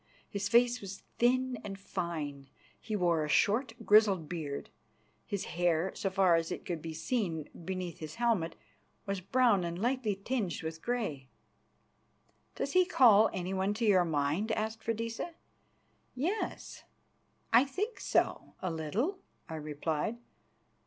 His face was thin and fine; he wore a short, grizzled beard; his hair, so far as it could be seen beneath his helmet, was brown and lightly tinged with grey. "Does he call anyone to your mind?" asked Freydisa. "Yes, I think so, a little," I replied.